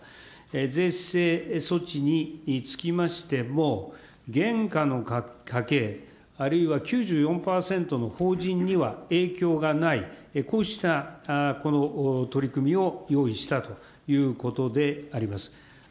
税制措置につきましても、現下の家計、あるいは９４％の法人には影響がない、こうしたこの取り組みを用意したということであります。